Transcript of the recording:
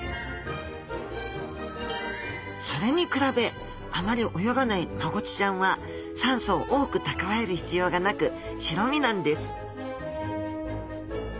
それに比べあまり泳がないマゴチちゃんは酸素を多く蓄える必要がなく白身なんです